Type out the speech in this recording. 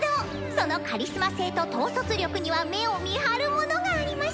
そのカリスマ性と統率力には目をみはるものがありました！